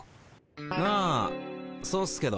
あそうっすけど。